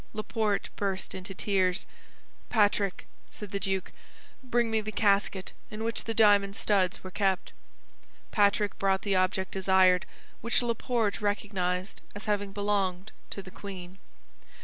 Laporte burst into tears. "Patrick," said the duke, "bring me the casket in which the diamond studs were kept." Patrick brought the object desired, which Laporte recognized as having belonged to the queen.